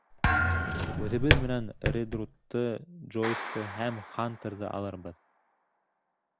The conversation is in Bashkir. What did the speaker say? Үҙебеҙ менән Редрутты, Джойсты һәм Хантерҙы алырбыҙ.